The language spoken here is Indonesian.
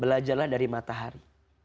belajarlah dari matahari